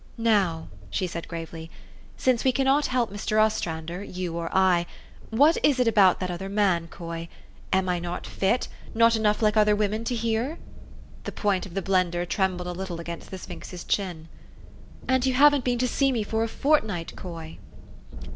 "Now," she said gravely, "since we cannot help Mr. Ostrander, you or I, what is it about that other man, Coy? Am I not fit, not enough like other women, to hear?" The point of the blender trembled a little against the sphinx's chin. " And you haven't been to see me for a fortnight, Coy!"